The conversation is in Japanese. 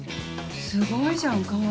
すごいじゃん川合。